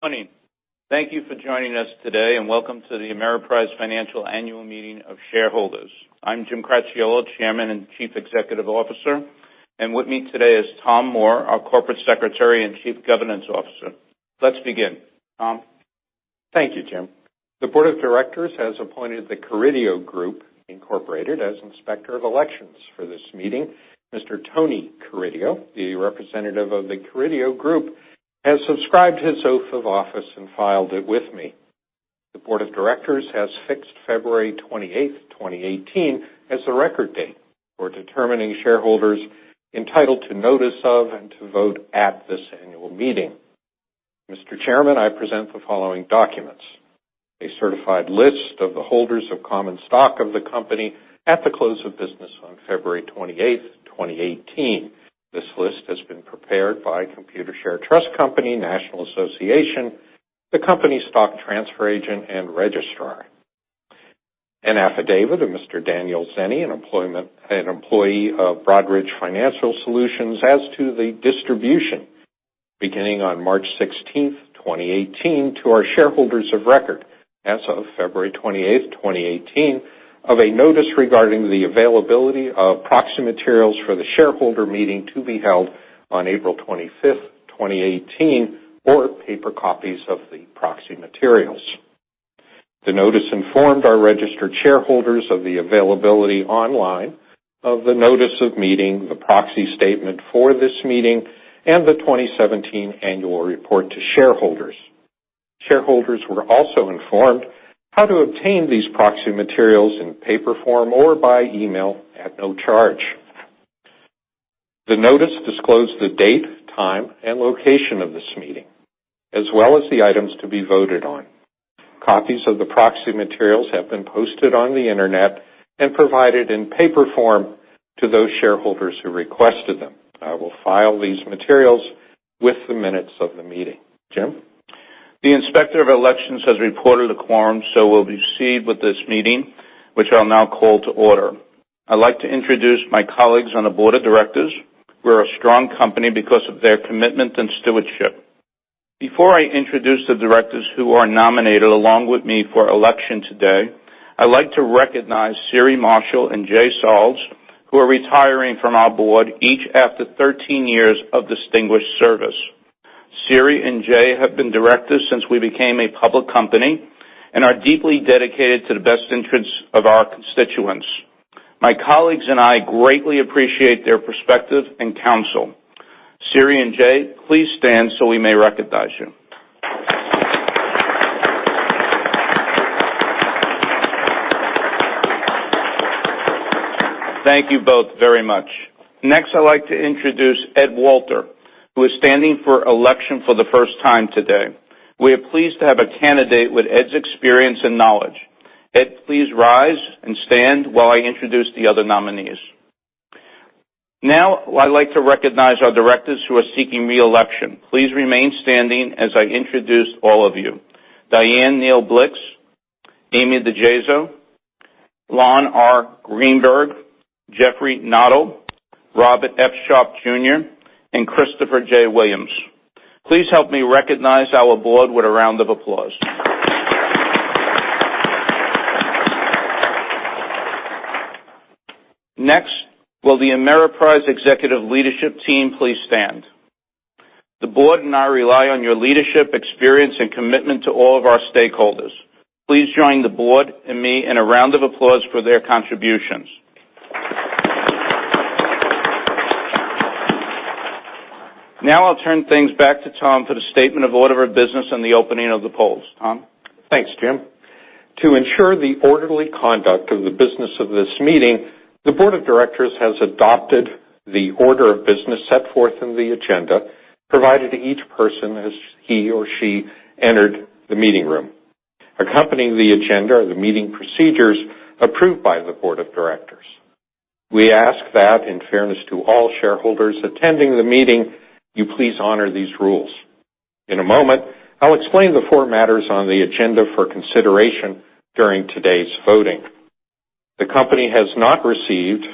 Good morning. Thank you for joining us today, and welcome to the Ameriprise Financial Annual Meeting of Shareholders. I'm Jim Cracchiolo, Chairman and Chief Executive Officer, and with me today is Tom Moore, our Corporate Secretary and Chief Governance Officer. Let's begin. Tom? Thank you, Jim. The board of directors has appointed The Carideo Group, Incorporated as inspector of elections for this meeting. Mr. Tony Carideo, the representative of The Carideo Group, has subscribed his oath of office and filed it with me. The board of directors has fixed February 28th, 2018, as the record date for determining shareholders entitled to notice of and to vote at this annual meeting. Mr. Chairman, I present the following documents. A certified list of the holders of common stock of the company at the close of business on February 28th, 2018. This list has been prepared by Computershare Trust Company, National Association, the company stock transfer agent, and registrar. An affidavit of Mr. Daniel Zenny, an employee of Broadridge Financial Solutions as to the distribution beginning on March 16th, 2018, to our shareholders of record as of February 28th, 2018, of a notice regarding the availability of proxy materials for the shareholder meeting to be held on April 25th, 2018, or paper copies of the proxy materials. The notice informed our registered shareholders of the availability online of the notice of meeting, the proxy statement for this meeting, and the 2017 annual report to shareholders. Shareholders were also informed how to obtain these proxy materials in paper form or by email at no charge. The notice disclosed the date, time, and location of this meeting, as well as the items to be voted on. Copies of the proxy materials have been posted on the internet and provided in paper form to those shareholders who requested them. I will file these materials with the minutes of the meeting. Jim? We'll proceed with this meeting, which I'll now call to order. I'd like to introduce my colleagues on the board of directors. We're a strong company because of their commitment and stewardship. Before I introduce the directors who are nominated along with me for election today, I'd like to recognize Siri Marshall and Jay Sarles, who are retiring from our board, each after 13 years of distinguished service. Siri and Jay have been directors since we became a public company and are deeply dedicated to the best interests of our constituents. My colleagues and I greatly appreciate their perspective and counsel. Siri and Jay, please stand so we may recognize you. Thank you both very much. Next, I'd like to introduce Ed Walter, who is standing for election for the first time today. We are pleased to have a candidate with Ed's experience and knowledge. Ed, please rise and stand while I introduce the other nominees. I'd like to recognize our directors who are seeking re-election. Please remain standing as I introduce all of you. Dianne Neal Blixt, Amy DiGeso, Lon R. Greenberg, Jeffrey Noddle, Robert F. Sharpe Jr., and Christopher J. Williams. Please help me recognize our board with a round of applause. Next, will the Ameriprise Executive Leadership Team please stand. The board and I rely on your leadership, experience, and commitment to all of our stakeholders. Please join the board and me in a round of applause for their contributions. I'll turn things back to Tom for the statement of order of business and the opening of the polls. Tom? Thanks, Jim. To ensure the orderly conduct of the business of this meeting, the board of directors has adopted the order of business set forth in the agenda provided to each person as he or she entered the meeting room. Accompanying the agenda are the meeting procedures approved by the board of directors. We ask that, in fairness to all shareholders attending the meeting, you please honor these rules. In a moment, I'll explain the four matters on the agenda for consideration during today's voting. The company has not received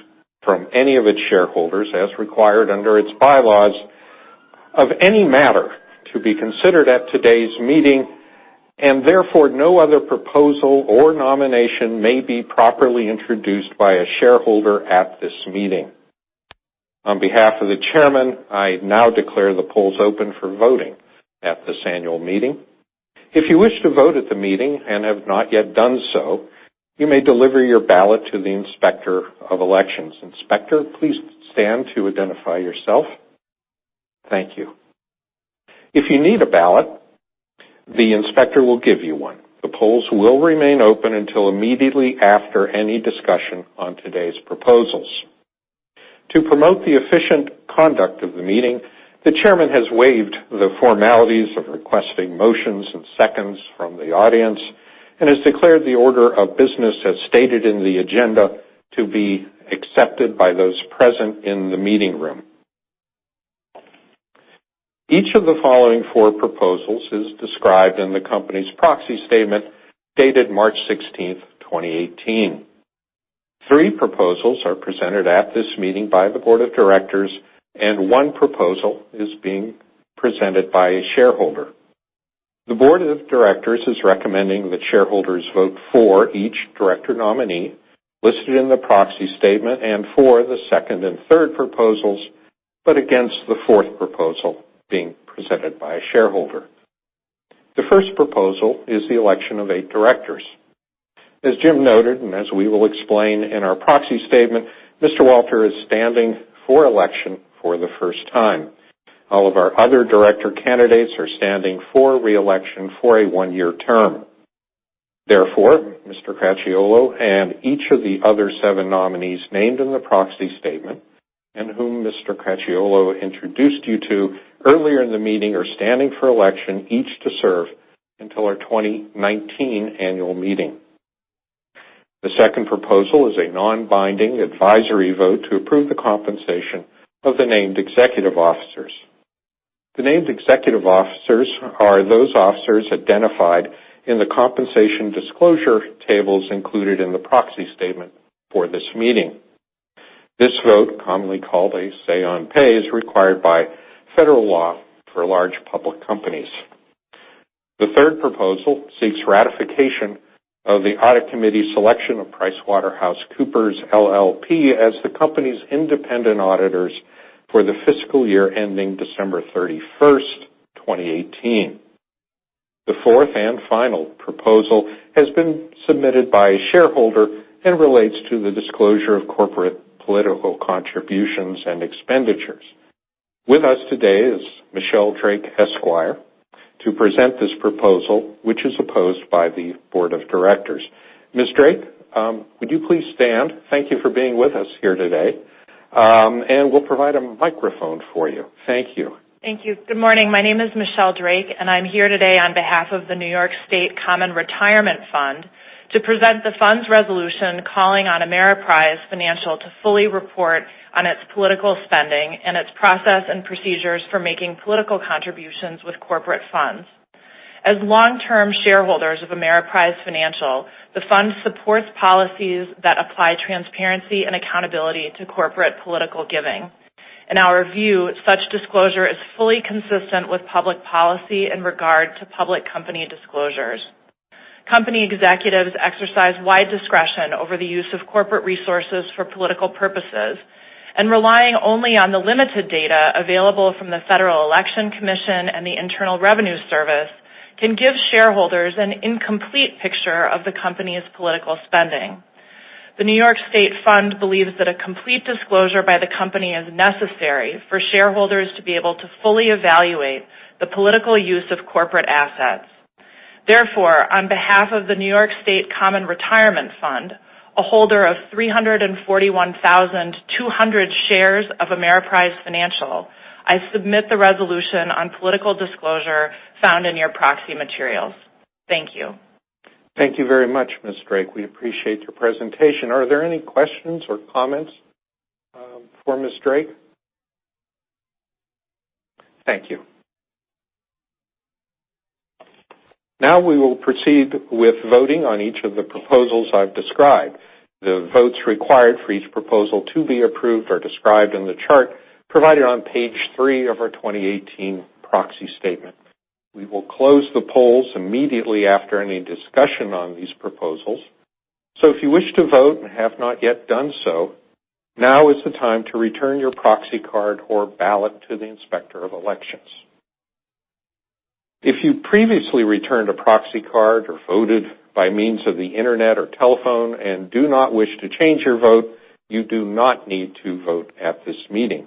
from any of its shareholders, as required under its bylaws, of any matter to be considered at today's meeting, therefore, no other proposal or nomination may be properly introduced by a shareholder at this meeting. On behalf of the chairman, I now declare the polls open for voting at this annual meeting. If you wish to vote at the meeting and have not yet done so, you may deliver your ballot to the inspector of elections. Inspector, please stand to identify yourself. Thank you. If you need a ballot, the inspector will give you one. The polls will remain open until immediately after any discussion on today's proposals. To promote the efficient conduct of the meeting, the chairman has waived the formalities of requesting motions and seconds from the audience and has declared the order of business as stated in the agenda to be accepted by those present in the meeting room. Each of the following four proposals is described in the company's proxy statement dated March 16th, 2018. Three proposals are presented at this meeting by the board of directors, and one proposal is being presented by a shareholder. The board of directors is recommending that shareholders vote for each director nominee listed in the proxy statement and for the second and third proposals, but against the fourth proposal being presented by a shareholder. The first proposal is the election of eight directors. As Jim noted, and as we will explain in our proxy statement, Mr. Walter is standing for election for the first time. All of our other director candidates are standing for re-election for a one-year term. Mr. Cracchiolo and each of the other seven nominees named in the proxy statement, and whom Mr. Cracchiolo introduced you to earlier in the meeting, are standing for election, each to serve until our 2019 annual meeting. The second proposal is a non-binding advisory vote to approve the compensation of the named executive officers. The named executive officers are those officers identified in the compensation disclosure tables included in the proxy statement for this meeting. This vote, commonly called a say-on-pay, is required by federal law for large public companies. The third proposal seeks ratification of the audit committee's selection of PricewaterhouseCoopers LLP as the company's independent auditors for the fiscal year ending December 31, 2018. The fourth and final proposal has been submitted by a shareholder and relates to the disclosure of corporate political contributions and expenditures. With us today is Michelle Drake, Esquire, to present this proposal, which is opposed by the board of directors. Ms. Drake, would you please stand? Thank you for being with us here today. We'll provide a microphone for you. Thank you. Thank you. Good morning. My name is Michelle Drake, and I'm here today on behalf of the New York State Common Retirement Fund to present the fund's resolution calling on Ameriprise Financial to fully report on its political spending and its process and procedures for making political contributions with corporate funds. As long-term shareholders of Ameriprise Financial, the fund supports policies that apply transparency and accountability to corporate political giving. In our view, such disclosure is fully consistent with public policy in regard to public company disclosures. Company executives exercise wide discretion over the use of corporate resources for political purposes, and relying only on the limited data available from the Federal Election Commission and the Internal Revenue Service can give shareholders an incomplete picture of the company's political spending. The New York State Fund believes that a complete disclosure by the company is necessary for shareholders to be able to fully evaluate the political use of corporate assets. On behalf of the New York State Common Retirement Fund, a holder of 341,200 shares of Ameriprise Financial, I submit the resolution on political disclosure found in your proxy materials. Thank you. Thank you very much, Ms. Drake. We appreciate your presentation. Are there any questions or comments for Ms. Drake? Thank you. We will proceed with voting on each of the proposals I've described. The votes required for each proposal to be approved are described in the chart provided on page three of our 2018 proxy statement. We will close the polls immediately after any discussion on these proposals. If you wish to vote and have not yet done so, now is the time to return your proxy card or ballot to the Inspector of Elections. If you previously returned a proxy card or voted by means of the internet or telephone and do not wish to change your vote, you do not need to vote at this meeting.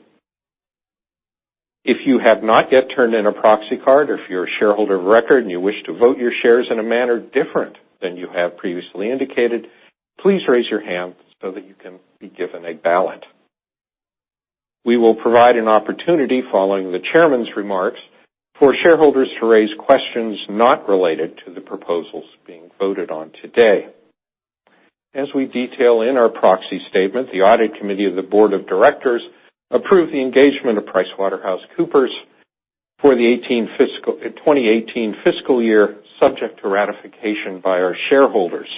If you have not yet turned in a proxy card or if you're a shareholder of record and you wish to vote your shares in a manner different than you have previously indicated, please raise your hand so that you can be given a ballot. We will provide an opportunity following the chairman's remarks for shareholders to raise questions not related to the proposals being voted on today. As we detail in our proxy statement, the audit committee of the board of directors approved the engagement of PricewaterhouseCoopers for the 2018 fiscal year, subject to ratification by our shareholders.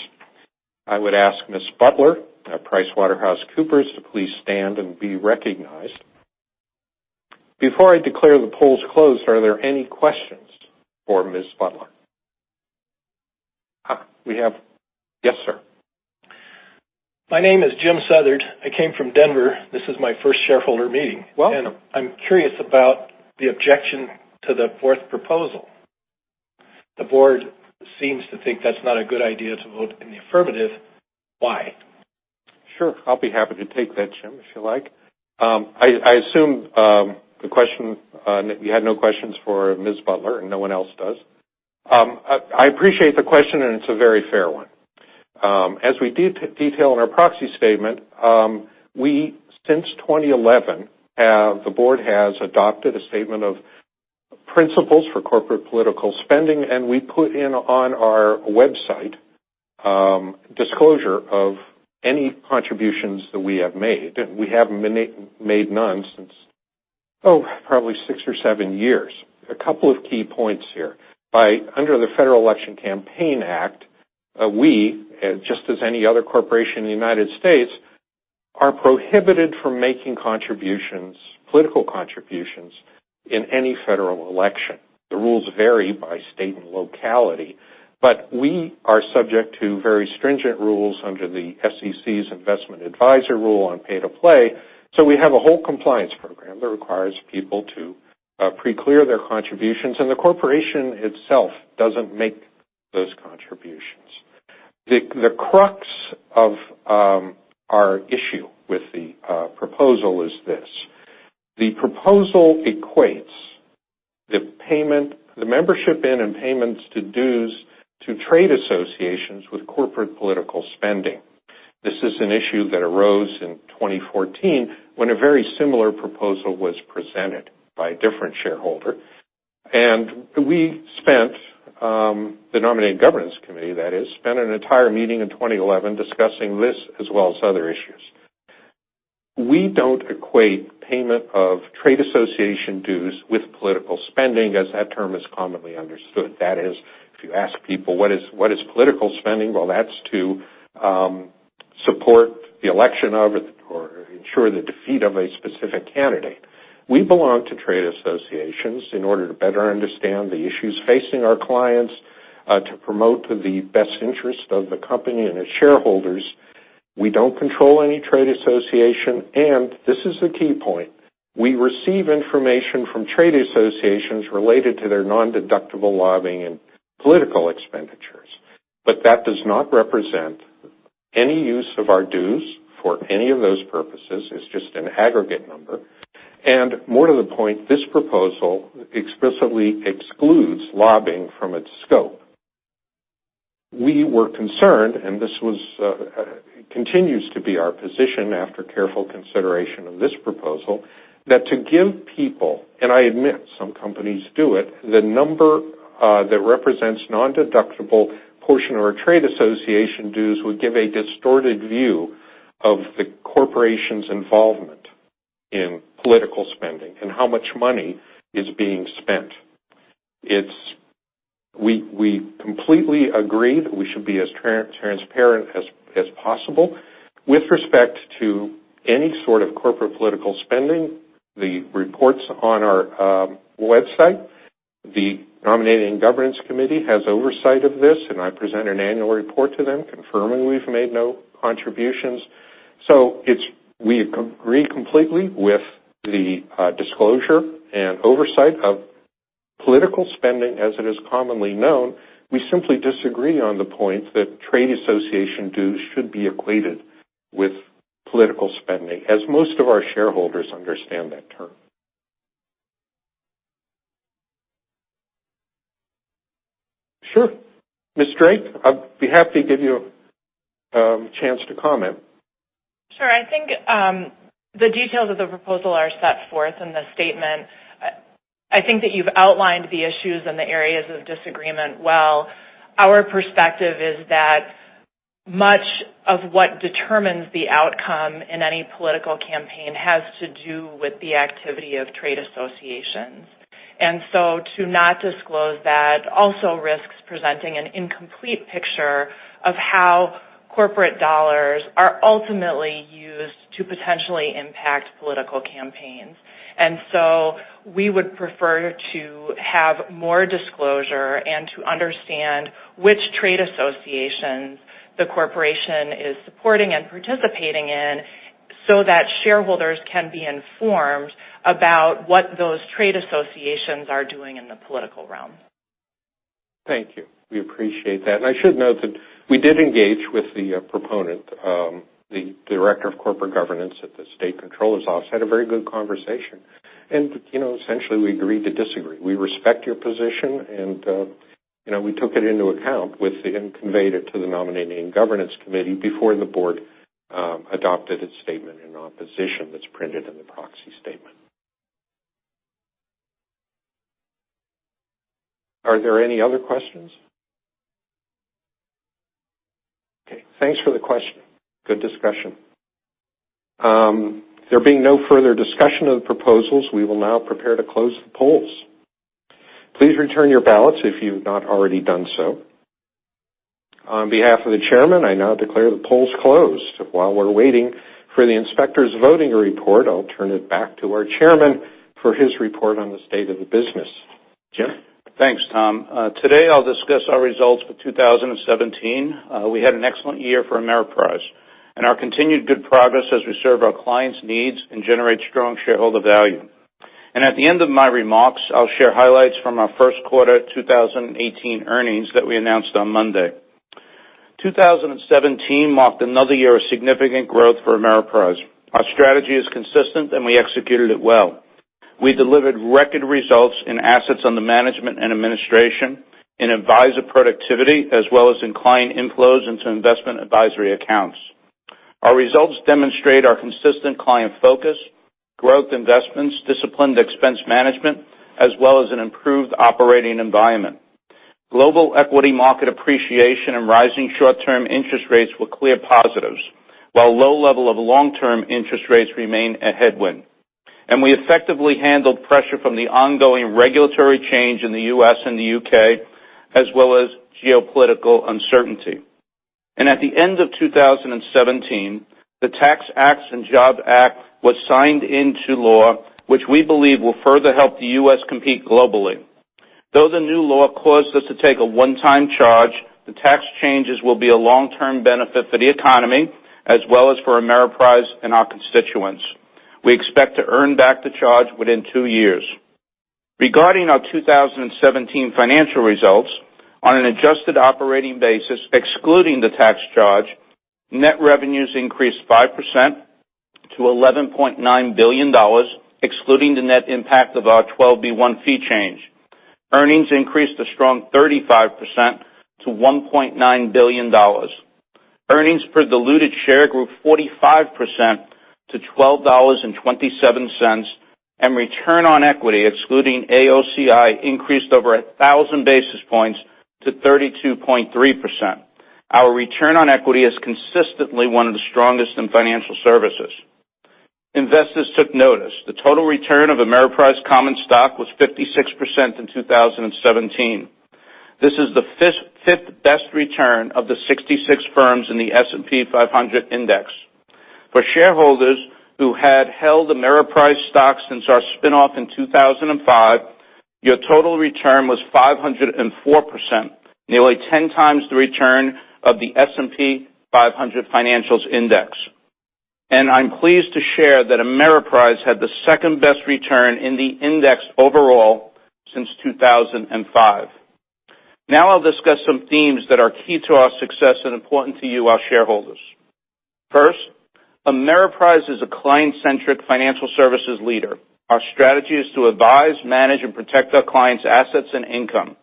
I would ask Ms. Butler at PricewaterhouseCoopers to please stand and be recognized. Before I declare the polls closed, are there any questions for Ms. Butler? We have Yes, sir. My name is Jim Southard. I came from Denver. This is my first shareholder meeting. Welcome. I'm curious about the objection to the fourth proposal. The board seems to think that's not a good idea to vote in the affirmative. Why? Sure. I'll be happy to take that, Jim, if you like. I assume you had no questions for Ms. Butler, and no one else does. I appreciate the question, and it's a very fair one. As we detail in our proxy statement, since 2011, the board has adopted a statement of principles for corporate political spending, and we put in on our website disclosure of any contributions that we have made. We have made none since probably six or seven years. A couple of key points here. Under the Federal Election Campaign Act, we, just as any other corporation in the U.S., are prohibited from making political contributions in any federal election. The rules vary by state and locality, but we are subject to very stringent rules under the SEC's investment advisor rule on pay-to-play. We have a whole compliance program that requires people to pre-clear their contributions, and the corporation itself doesn't make those contributions. The crux of our issue with the proposal is this. The proposal equates the membership in and payments to dues to trade associations with corporate political spending. This is an issue that arose in 2014 when a very similar proposal was presented by a different shareholder. We spent, the Nominating and Governance Committee, that is, spent an entire meeting in 2011 discussing this as well as other issues. We don't equate payment of trade association dues with political spending as that term is commonly understood. That is, if you ask people what is political spending, well, that's to support the election of or ensure the defeat of a specific candidate. We belong to trade associations in order to better understand the issues facing our clients, to promote the best interest of the company and its shareholders. We don't control any trade association, this is the key point, we receive information from trade associations related to their non-deductible lobbying and political expenditures. That does not represent any use of our dues for any of those purposes. It's just an aggregate number. More to the point, this proposal explicitly excludes lobbying from its scope. We were concerned, this continues to be our position after careful consideration of this proposal, that to give people, I admit some companies do it, the number that represents non-deductible portion of our trade association dues would give a distorted view of the corporation's involvement in political spending and how much money is being spent. We completely agree that we should be as transparent as possible with respect to any sort of corporate political spending. The report's on our website. The Nominating and Governance Committee has oversight of this, I present an annual report to them confirming we've made no contributions. We agree completely with the disclosure and oversight of political spending as it is commonly known. We simply disagree on the point that trade association dues should be equated with political spending, as most of our shareholders understand that term. Sure. Ms. Drake, I'd be happy to give you a chance to comment. Sure. I think the details of the proposal are set forth in the statement. I think that you've outlined the issues and the areas of disagreement well. Our perspective is that much of what determines the outcome in any political campaign has to do with the activity of trade associations. To not disclose that also risks presenting an incomplete picture of how corporate dollars are ultimately used to potentially impact political campaigns. We would prefer to have more disclosure and to understand which trade associations the corporation is supporting and participating in so that shareholders can be informed about what those trade associations are doing in the political realm. Thank you. We appreciate that. I should note that we did engage with the proponent, the director of corporate governance at the state controller's office, had a very good conversation. Essentially, we agreed to disagree. We respect your position, and we took it into account and conveyed it to the Nominating and Governance Committee before the board adopted its statement in opposition that's printed in the proxy statement. Are there any other questions? Okay. Thanks for the question. Good discussion. There being no further discussion of the proposals, we will now prepare to close the polls. Please return your ballots if you've not already done so. On behalf of the chairman, I now declare the polls closed. While we're waiting for the inspector's voting report, I'll turn it back to our chairman for his report on the state of the business. Jim? Thanks, Tom. Today, I'll discuss our results for 2017. We had an excellent year for Ameriprise, and our continued good progress as we serve our clients' needs and generate strong shareholder value. At the end of my remarks, I'll share highlights from our first quarter 2018 earnings that we announced on Monday. 2017 marked another year of significant growth for Ameriprise. Our strategy is consistent, and we executed it well. We delivered record results in assets under management and administration, in advisor productivity, as well as in client inflows into investment advisory accounts. Our results demonstrate our consistent client focus, growth investments, disciplined expense management, as well as Operating environment. Global equity market appreciation and rising short-term interest rates were clear positives, while low level of long-term interest rates remain a headwind. We effectively handled pressure from the ongoing regulatory change in the U.S. and the U.K., as well as geopolitical uncertainty. At the end of 2017, the Tax Cuts and Jobs Act was signed into law, which we believe will further help the U.S. compete globally. Though the new law caused us to take a one-time charge, the tax changes will be a long-term benefit for the economy, as well as for Ameriprise and our constituents. We expect to earn back the charge within two years. Regarding our 2017 financial results, on an adjusted operating basis, excluding the tax charge, net revenues increased 5% to $11.9 billion, excluding the net impact of our 12b-1 fee change. Earnings increased a strong 35% to $1.9 billion. Earnings per diluted share grew 45% to $12.27, and return on equity, excluding AOCI, increased over 1,000 basis points to 32.3%. Our return on equity is consistently one of the strongest in financial services. Investors took notice. The total return of Ameriprise common stock was 56% in 2017. This is the fifth best return of the 66 firms in the S&P 500 index. For shareholders who had held Ameriprise stocks since our spinoff in 2005, your total return was 504%, nearly 10 times the return of the S&P 500 financials index. I'm pleased to share that Ameriprise had the second best return in the index overall since 2005. Now I'll discuss some themes that are key to our success and important to you, our shareholders. First, Ameriprise is a client-centric financial services leader. Our strategy is to advise, manage, and protect our clients' assets and income.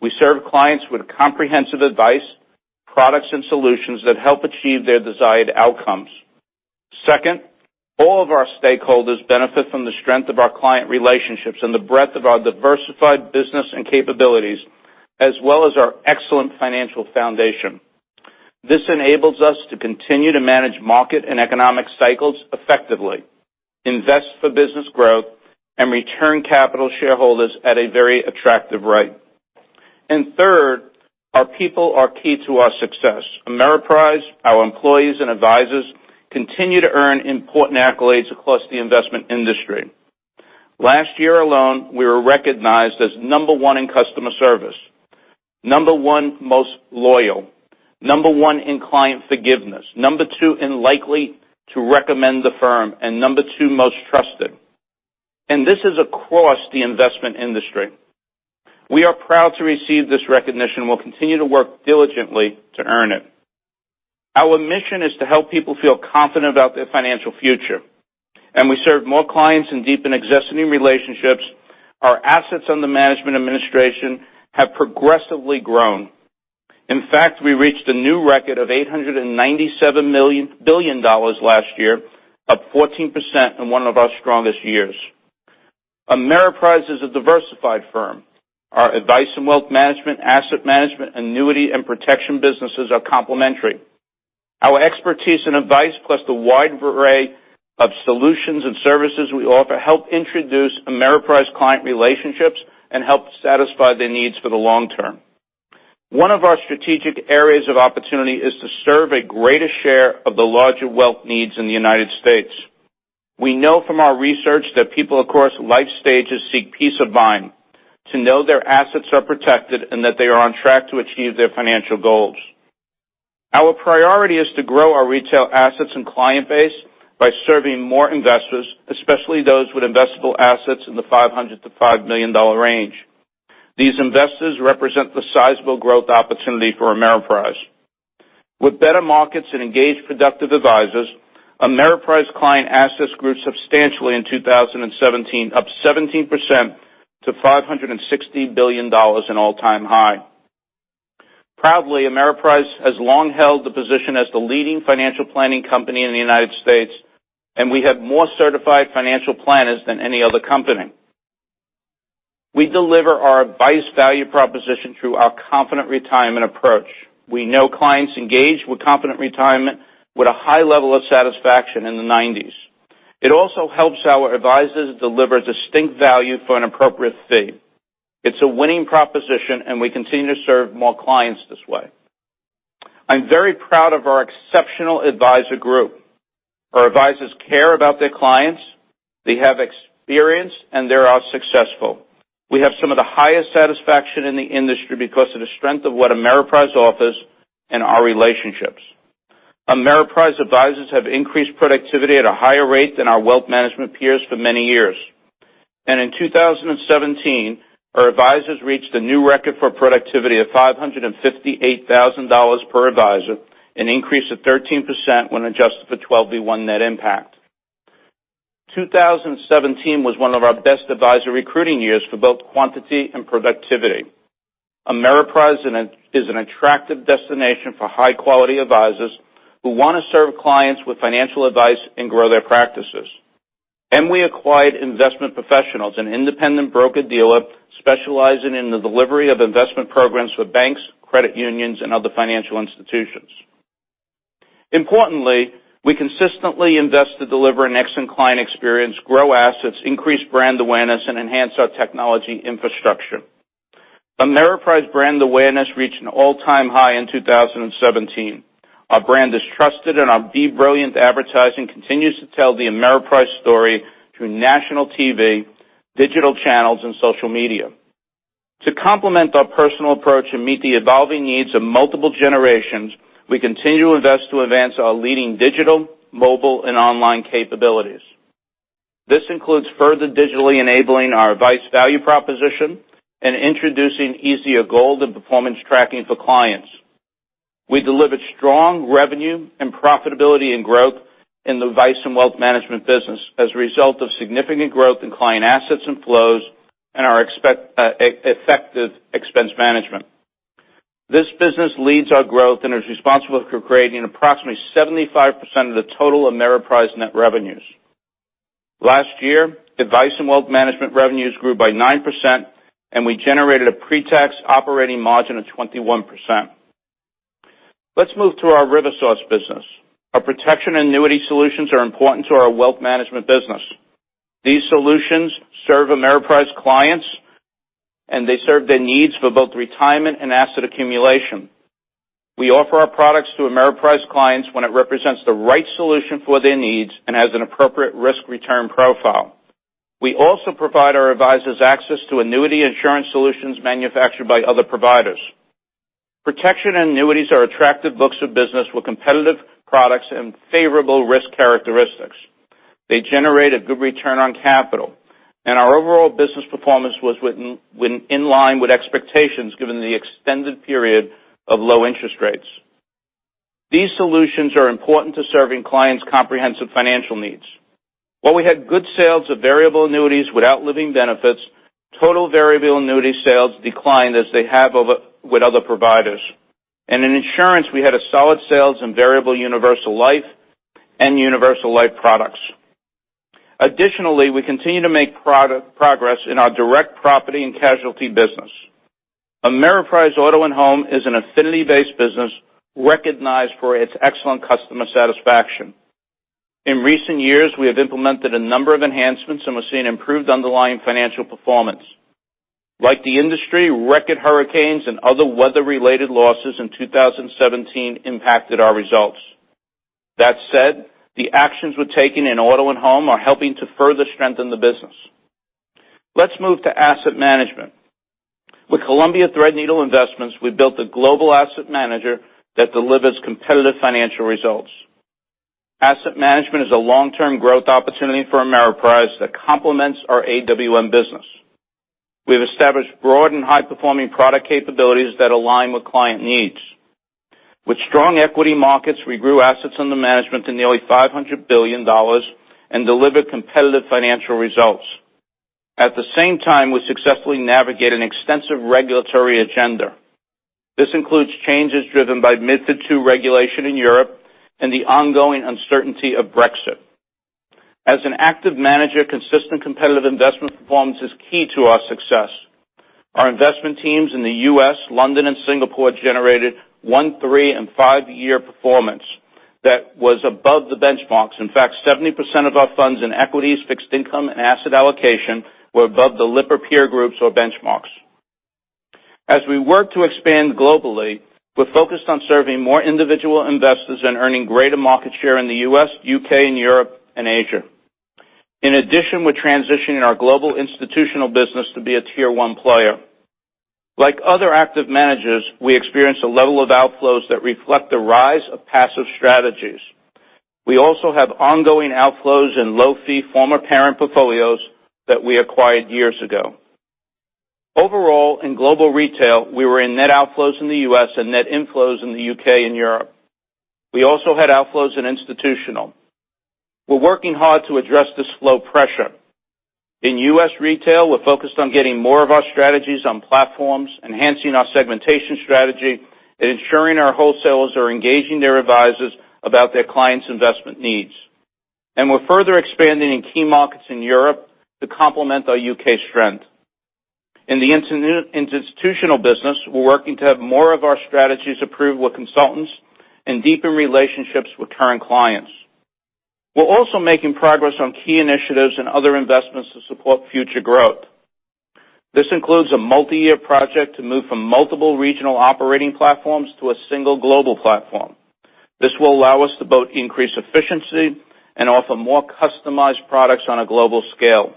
We serve clients with comprehensive advice, products, and solutions that help achieve their desired outcomes. Second, all of our stakeholders benefit from the strength of our client relationships and the breadth of our diversified business and capabilities, as well as our excellent financial foundation. This enables us to continue to manage market and economic cycles effectively, invest for business growth, and return capital shareholders at a very attractive rate. Third, our people are key to our success. Ameriprise, our employees and advisors continue to earn important accolades across the investment industry. Last year alone, we were recognized as number one in customer service, number one most loyal, number one in client forgiveness, number two in likely to recommend the firm, and number two most trusted. This is across the investment industry. We are proud to receive this recognition and will continue to work diligently to earn it. Our mission is to help people feel confident about their financial future. We serve more clients and deepen existing relationships, our assets under management administration have progressively grown. In fact, we reached a new record of $897 billion last year, up 14% in one of our strongest years. Ameriprise is a diversified firm. Our advice in wealth management, asset management, annuity, and protection businesses are complementary. Our expertise and advice, plus the wide array of solutions and services we offer, help introduce Ameriprise client relationships and help satisfy their needs for the long term. One of our strategic areas of opportunity is to serve a greater share of the larger wealth needs in the U.S. We know from our research that people across life stages seek peace of mind, to know their assets are protected and that they are on track to achieve their financial goals. Our priority is to grow our retail assets and client base by serving more investors, especially those with investable assets in the $500-$5 million range. These investors represent the sizable growth opportunity for Ameriprise. With better markets and engaged, productive advisors, Ameriprise client assets grew substantially in 2017, up 17% to $560 billion, an all-time high. Proudly, Ameriprise has long held the position as the leading financial planning company in the U.S. We have more certified financial planners than any other company. We deliver our advice value proposition through our Confident Retirement approach. We know clients engage with Confident Retirement with a high level of satisfaction in the 90s. It also helps our advisors deliver distinct value for an appropriate fee. It's a winning proposition and we continue to serve more clients this way. I'm very proud of our exceptional advisor group. Our advisors care about their clients. They have experience, they are successful. We have some of the highest satisfaction in the industry because of the strength of what Ameriprise offers and our relationships. Ameriprise advisors have increased productivity at a higher rate than our wealth management peers for many years. In 2017, our advisors reached a new record for productivity of $558,000 per advisor, an increase of 13% when adjusted for 12b-1 net impact. 2017 was one of our best advisor recruiting years for both quantity and productivity. Ameriprise is an attractive destination for high-quality advisors who want to serve clients with financial advice and grow their practices. We acquired Investment Professionals, an independent broker-dealer specializing in the delivery of investment programs for banks, credit unions, and other financial institutions. Importantly, we consistently invest to deliver an excellent client experience, grow assets, increase brand awareness, and enhance our technology infrastructure. Ameriprise brand awareness reached an all-time high in 2017. Our brand is trusted, our Be Brilliant advertising continues to tell the Ameriprise story through national TV, digital channels, and social media. To complement our personal approach and meet the evolving needs of multiple generations, we continue to invest to advance our leading digital, mobile, and online capabilities. This includes further digitally enabling our advice value proposition and introducing easier goal and performance tracking for clients. We delivered strong revenue and profitability and growth in the advice and wealth management business as a result of significant growth in client assets and flows and our effective expense management. This business leads our growth and is responsible for creating approximately 75% of the total Ameriprise net revenues. Last year, advice and wealth management revenues grew by 9%, we generated a pre-tax operating margin of 21%. Let's move to our RiverSource business. Our protection annuity solutions are important to our wealth management business. These solutions serve Ameriprise clients, they serve their needs for both retirement and asset accumulation. We offer our products to Ameriprise clients when it represents the right solution for their needs and has an appropriate risk-return profile. We also provide our advisors access to annuity insurance solutions manufactured by other providers. Protection annuities are attractive books of business with competitive products and favorable risk characteristics. They generate a good return on capital, our overall business performance was in line with expectations, given the extended period of low interest rates. These solutions are important to serving clients' comprehensive financial needs. While we had good sales of variable annuities without living benefits, total variable annuity sales declined as they have with other providers. In insurance, we had solid sales in variable universal life and universal life products. Additionally, we continue to make progress in our direct property and casualty business. Ameriprise Auto and Home is an affinity-based business recognized for its excellent customer satisfaction. In recent years, we have implemented a number of enhancements and we're seeing improved underlying financial performance. Like the industry, record hurricanes and other weather-related losses in 2017 impacted our results. That said, the actions we're taking in Auto and Home are helping to further strengthen the business. Let's move to asset management. With Columbia Threadneedle Investments, we built a global asset manager that delivers competitive financial results. Asset management is a long-term growth opportunity for Ameriprise that complements our AWM business. We have established broad and high-performing product capabilities that align with client needs. With strong equity markets, we grew assets under management to nearly $500 billion and delivered competitive financial results. At the same time, we successfully navigate an extensive regulatory agenda. This includes changes driven by MiFID II regulation in Europe and the ongoing uncertainty of Brexit. As an active manager, consistent competitive investment performance is key to our success. Our investment teams in the U.S., London, and Singapore generated one, three, and five-year performance that was above the benchmarks. In fact, 70% of our funds in equities, fixed income, and asset allocation were above the Lipper peer groups or benchmarks. As we work to expand globally, we're focused on serving more individual investors and earning greater market share in the U.S., U.K., Europe, and Asia. In addition, we're transitioning our global institutional business to be a tier 1 player. Like other active managers, we experience a level of outflows that reflect the rise of passive strategies. We also have ongoing outflows in low-fee former parent portfolios that we acquired years ago. Overall, in global retail, we were in net outflows in the U.S. and net inflows in the U.K. and Europe. We also had outflows in institutional. We're working hard to address this flow pressure. In U.S. retail, we're focused on getting more of our strategies on platforms, enhancing our segmentation strategy, and ensuring our wholesalers are engaging their advisors about their clients' investment needs. We're further expanding in key markets in Europe to complement our U.K. strength. In the institutional business, we're working to have more of our strategies approved with consultants and deepen relationships with current clients. We're also making progress on key initiatives and other investments to support future growth. This includes a multi-year project to move from multiple regional operating platforms to a single global platform. This will allow us to both increase efficiency and offer more customized products on a global scale.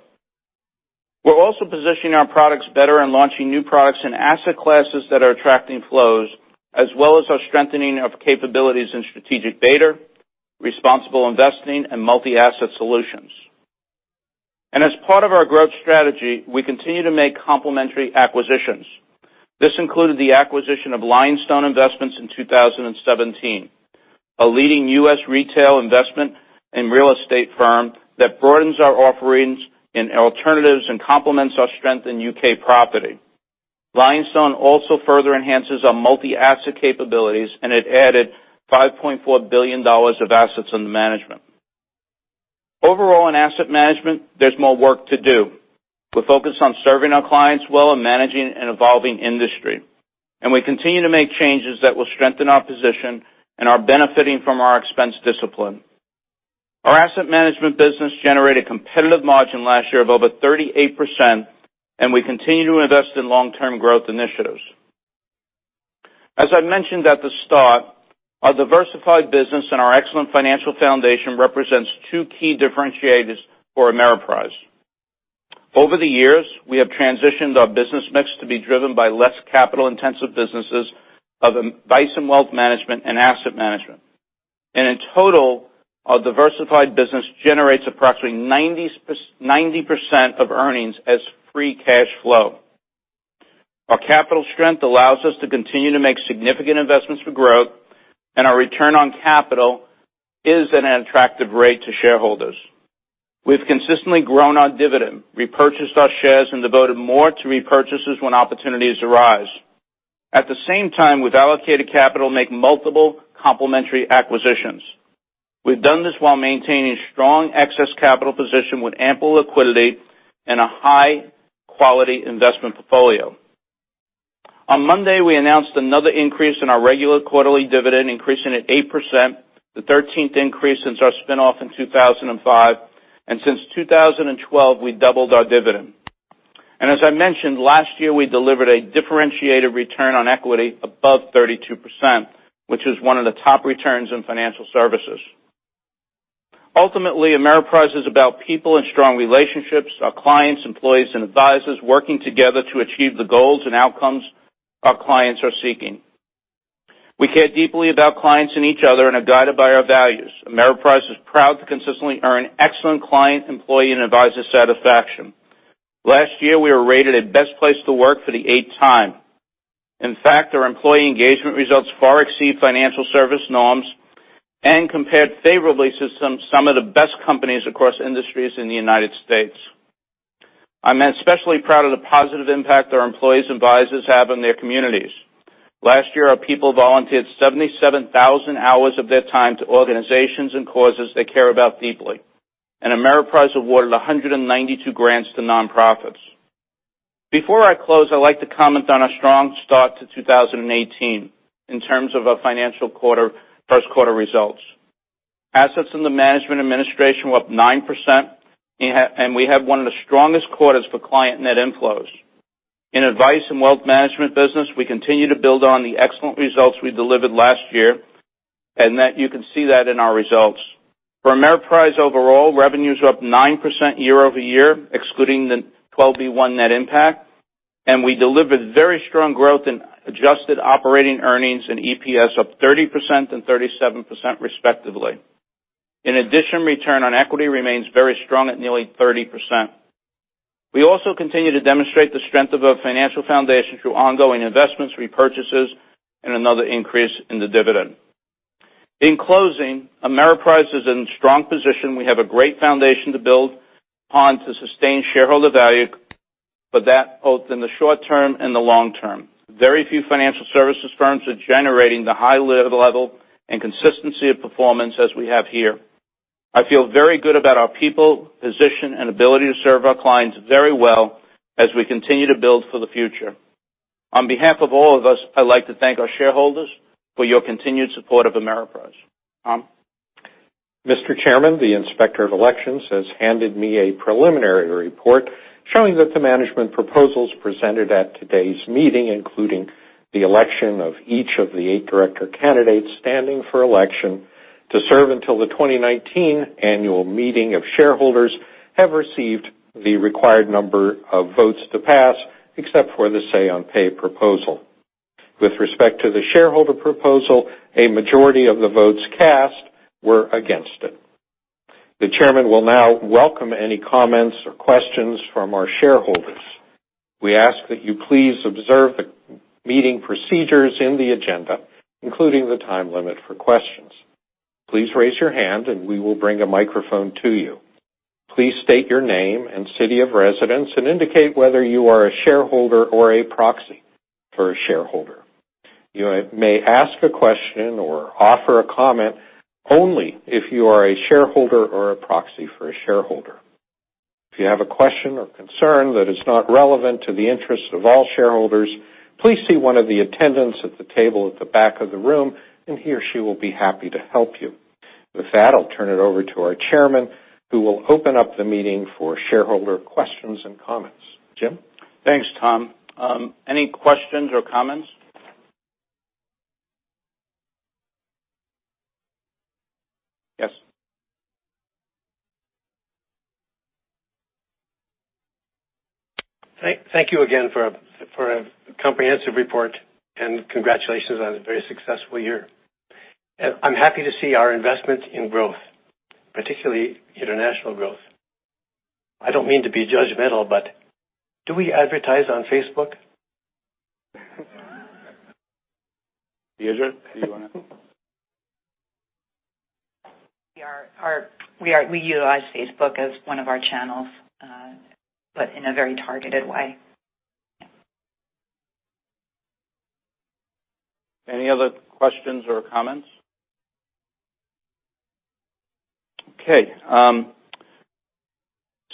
We're also positioning our products better and launching new products in asset classes that are attracting flows, as well as our strengthening of capabilities in strategic beta, responsible investing, and multi-asset solutions. As part of our growth strategy, we continue to make complementary acquisitions. This included the acquisition of Lionstone Investments in 2017, a leading U.S. retail investment and real estate firm that broadens our offerings in alternatives and complements our strength in U.K. property. Lionstone also further enhances our multi-asset capabilities, and it added $5.4 billion of assets under management. Overall, in asset management, there's more work to do. We're focused on serving our clients well and managing an evolving industry, and we continue to make changes that will strengthen our position and are benefiting from our expense discipline. Our asset management business generated competitive margin last year of over 38%, and we continue to invest in long-term growth initiatives. As I mentioned at the start, our diversified business and our excellent financial foundation represents two key differentiators for Ameriprise. Over the years, we have transitioned our business mix to be driven by less capital-intensive businesses of advice and wealth management and asset management. In total, our diversified business generates approximately 90% of earnings as free cash flow. Our capital strength allows us to continue to make significant investments for growth, and our return on capital is an attractive rate to shareholders. We've consistently grown our dividend, repurchased our shares, and devoted more to repurchases when opportunities arise. At the same time, we've allocated capital to make multiple complementary acquisitions. We've done this while maintaining strong excess capital position with ample liquidity and a high-quality investment portfolio. On Monday, we announced another increase in our regular quarterly dividend, increasing it 8%, the 13th increase since our spinoff in 2005. Since 2012, we doubled our dividend. As I mentioned, last year, we delivered a differentiated return on equity above 32%, which is one of the top returns in financial services. Ultimately, Ameriprise is about people and strong relationships, our clients, employees, and advisors working together to achieve the goals and outcomes our clients are seeking. We care deeply about clients and each other and are guided by our values. Ameriprise is proud to consistently earn excellent client, employee, and advisor satisfaction. Last year, we were rated a best place to work for the eighth time. In fact, our employee engagement results far exceed financial service norms and compared favorably to some of the best companies across industries in the U.S. I'm especially proud of the positive impact our employees' advisors have in their communities. Last year, our people volunteered 77,000 hours of their time to organizations and causes they care about deeply. Ameriprise awarded 192 grants to nonprofits. Before I close, I'd like to comment on a strong start to 2018 in terms of our financial first quarter results. Assets under management and administration were up 9%, and we have one of the strongest quarters for client net inflows. In advice and wealth management business, we continue to build on the excellent results we delivered last year, and you can see that in our results. For Ameriprise overall, revenues are up 9% year-over-year, excluding the 12b-1 net impact, and we delivered very strong growth in adjusted operating earnings and EPS up 30% and 37% respectively. In addition, return on equity remains very strong at nearly 30%. We also continue to demonstrate the strength of our financial foundation through ongoing investments, repurchases, and another increase in the dividend. In closing, Ameriprise is in a strong position. We have a great foundation to build upon to sustain shareholder value, for that both in the short term and the long term. Very few financial services firms are generating the high level and consistency of performance as we have here. I feel very good about our people, position, and ability to serve our clients very well as we continue to build for the future. On behalf of all of us, I'd like to thank our shareholders for your continued support of Ameriprise. Tom? Mr. Chairman, the Inspector of Elections has handed me a preliminary report showing that the management proposals presented at today's meeting, including the election of each of the eight director candidates standing for election to serve until the 2019 annual meeting of shareholders, have received the required number of votes to pass, [except for the say-on-pay proposal]. With respect to the shareholder proposal, a majority of the votes cast were against it. The chairman will now welcome any comments or questions from our shareholders. We ask that you please observe the meeting procedures in the agenda, including the time limit for questions. Please raise your hand, and we will bring a microphone to you. Please state your name and city of residence and indicate whether you are a shareholder or a proxy for a shareholder. You may ask a question or offer a comment only if you are a shareholder or a proxy for a shareholder. If you have a question or concern that is not relevant to the interest of all shareholders, please see one of the attendants at the table at the back of the room, and he or she will be happy to help you. With that, I'll turn it over to our chairman, who will open up the meeting for shareholder questions and comments. Jim? Thanks, Tom. Any questions or comments? Yes. Thank you again for a comprehensive report, and congratulations on a very successful year. I'm happy to see our investment in growth, particularly international growth. I don't mean to be judgmental, but do we advertise on Facebook? Deirdre, do you want to? We utilize Facebook as one of our channels, but in a very targeted way. Yeah. Any other questions or comments? Okay.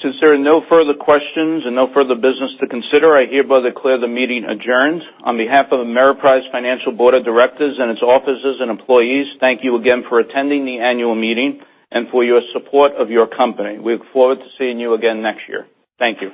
Since there are no further questions and no further business to consider, I hereby declare the meeting adjourned. On behalf of Ameriprise Financial Board of Directors and its offices and employees, thank you again for attending the annual meeting and for your support of your company. We look forward to seeing you again next year. Thank you.